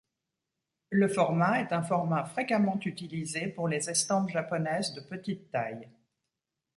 Le format est un format fréquemment utilisé pour les estampes japonaises de petite taille.